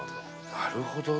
なるほどね。